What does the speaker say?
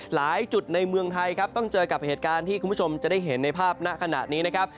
หลายจุดในเมืองไทยครับต้องเจอกับเหตุการณ์ที่คุณผู้ชมจะได้เห็นในภาพณขณะนี้นะครับ